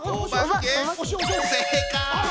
正解！